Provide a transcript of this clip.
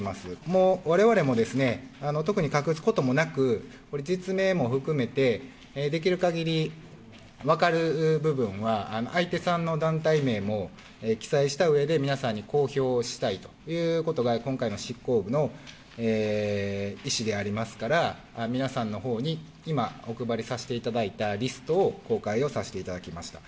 もう、われわれもですね、特に隠すこともなく、これ、実名も含めて、できるかぎり分かる部分は、相手さんの団体名も記載したうえで、皆さんに公表したいということが、今回の執行部の意思でありますから、皆さんのほうに、今、お配りさせていただいたリストを公開をさせていただきました。